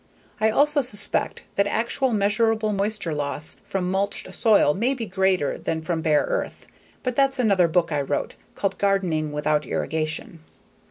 I also suspect that actual, measurable moisture loss from mulched soil may be greater than from bare earth. But that's another book I wrote, called _Gardening Without Irrigation.